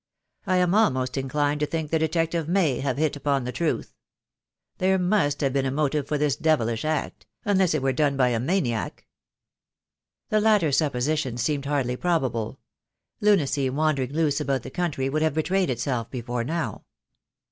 I am almost inclined to think the detective may have hit upon the truth. There must have been a motive for this devilish act — unless it were done by a maniac." The latter supposition seemed hardly probable. Lunacy wandering loose about the country would have betrayed itself before now.